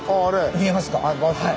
見えますか。